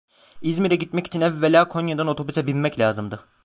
İzmir'e gitmek için evvela Konya'dan otobüse binmek lazımdı.